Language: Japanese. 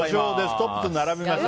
トップに並びました。